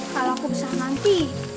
kalau aku besar nanti